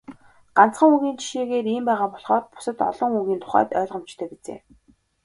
Ганцхан үгийн жишээгээр ийм байгаа болохоор бусад олон үгийн тухайд ойлгомжтой биз ээ.